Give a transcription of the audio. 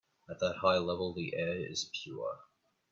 At that high level the air is pure.